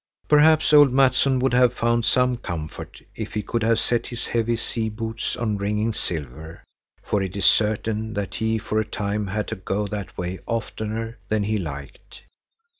Perhaps old Mattsson would have found some comfort if he could have set his heavy sea boots on ringing silver, for it is certain that he for a time had to go that way oftener than he liked.